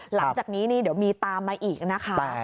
หลังจากนี้นี่เดี๋ยวมีตามมาอีกนะคะ